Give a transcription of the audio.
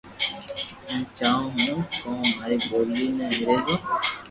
ھين چاھون ھون ڪو ماري ٻولي بو انگريزو